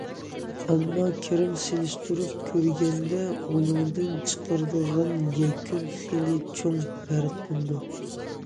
ئەمما كىرىم سېلىشتۇرۇپ كۆرگەندە، بۇنىڭدىن چىقىدىغان يەكۈن خېلى چوڭ پەرقلىنىدۇ.